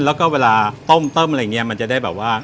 แล้วก็เวลาต้มอะไรอย่างนี้มันจะได้แบบว่า